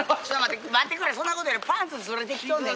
待ってくれそんなことよりパンツずれてきとんねん。